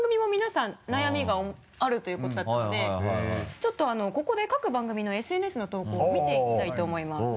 ちょっとここで各番組のＳＮＳの投稿を見ていきたいと思います。